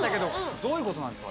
どういうことなんですか？